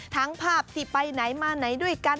ทั้งภาพสิไปไหนมาไหนด้วยกัน